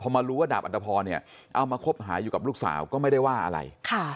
มารู้ว่าดาบอัตภพรเนี่ยเอามาคบหาอยู่กับลูกสาวก็ไม่ได้ว่าอะไร